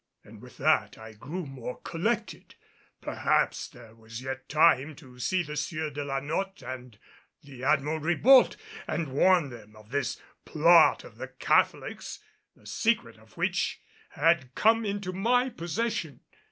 And with that I grew more collected. Perhaps there was yet time to see the Sieur de la Notte and the Admiral Ribault, and warn them of this plot of the Catholics, the secret of which had come into my possession.